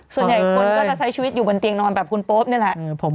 ส่วนใหญ่คนก็จะใช้ชีวิตอยู่บนเตียงนอนแบบคุณโป๊ปนี่แหละ